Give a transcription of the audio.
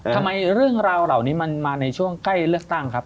ทำไมเรื่องราวเหล่านี้มันมาในช่วงใกล้เลือกตั้งครับ